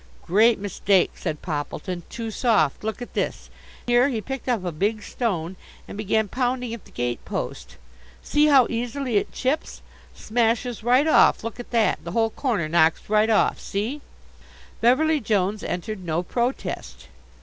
"Great mistake," said Poppleton. "Too soft. Look at this" here he picked up a big stone and began pounding at the gate post "see how easily it chips! Smashes right off. Look at that, the whole corner knocks right off, see!" Beverly Jones entered no protest.